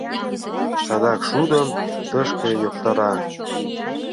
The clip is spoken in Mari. Садак шудым тышке йоктара!